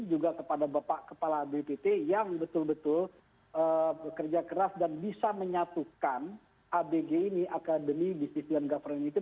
juga kepada bapak kepala abg pt yang betul betul bekerja keras dan bisa menyatukan abg ini academy of business and government ini